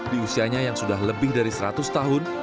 di usianya yang sudah lebih dari seratus tahun